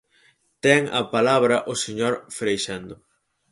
Ten a palabra o señor Freixendo.